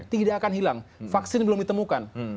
tidak akan hilang vaksin belum ditemukan